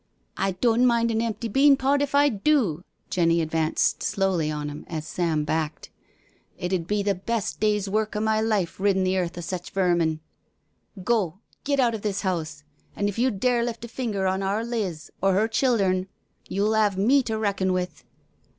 '* I doan*t mind an empty bean pod if I do/' Jenny advanced slowly on him as Sam backed, It 'ud be the best day's work o* my life riddin' the earth of sech vermin. Go^ get out o' this house, an' if you dare lift a finger on our Liz or her. childhern you'll 'ave me to reckon with."